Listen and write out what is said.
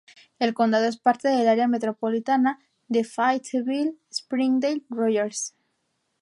El condado es parte del área metropolitana de Fayetteville–Springdale–Rogers.